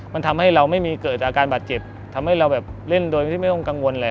มันทำให้เราไม่มีเกิดอาการบาดเจ็บทำให้เราแบบเล่นโดยที่ไม่ต้องกังวลเลย